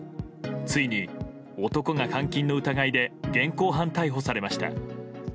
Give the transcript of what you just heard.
ついに男が監禁の疑いで現行犯逮捕されました。